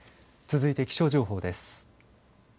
続いて気象情報です。